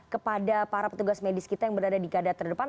kepada para petugas medis kita yang berada di kadar terdepan